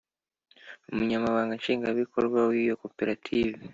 Umunyamabanga Nshingwabikorwa w iyo koperative